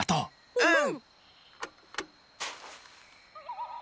うん。